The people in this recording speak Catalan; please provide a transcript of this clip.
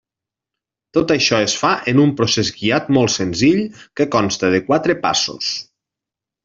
Tot això es fa en un procés guiat molt senzill que consta de quatre passos.